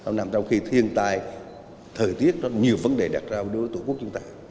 năm nào trong khi thiên tài thời tiết nó nhiều vấn đề đặt ra với đối với tổ quốc chúng ta